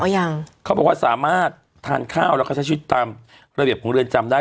ยังเขาบอกว่าสามารถทานข้าวแล้วก็ใช้ชีวิตตามระเบียบของเรือนจำได้